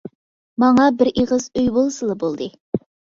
ماڭا بىر ئېغىز ئۆي بولسىلا بولدى.